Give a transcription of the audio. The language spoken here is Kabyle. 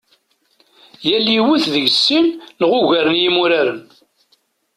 Tal yiwet deg-s sin neɣ ugar n yimuraren.